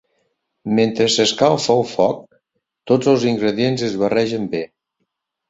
Mentre s'escalfa al foc, tots els ingredients es barregen bé.